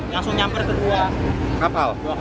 langsung nyamper kedua kapal